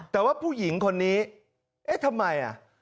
แต่ว่าผู้หญิงคนนี้เอ๊ะทำไม